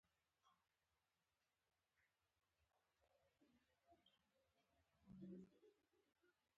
البته دا یواځې باورونه دي، د کوم دلیل او ثبوت پر بنسټ نه دي.